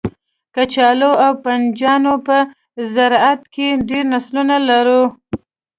کچالو او بنجانو په زرعت کې ډیر نسلونه لرو